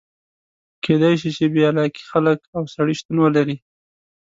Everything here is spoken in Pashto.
خو کېدای شي چې بې علاقې خلک او سړي شتون ولري.